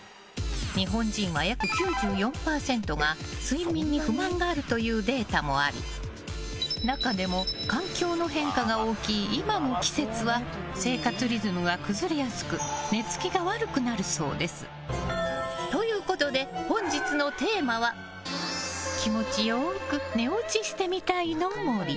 日本人は約９４％が、睡眠に不満があるというデータもあり中でも環境の変化が大きい今の季節は生活リズムが崩れやすく寝つきが悪くなるそうです。ということで、本日のテーマは気持ちよく寝落ちしてみたいの森。